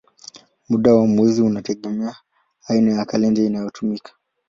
Muda wa mwezi unategemea aina ya kalenda inayotumika.